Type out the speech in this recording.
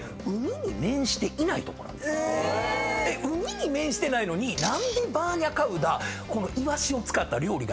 海に面してないのに何でバーニャカウダイワシを使った料理ができたんか？